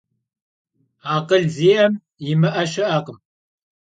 Akhıl zi'em yimı'e şı'ekhım.